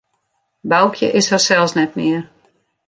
Boukje is harsels net mear.